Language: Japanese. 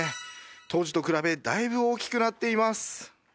当時と比べ、だいぶ大きくなっています。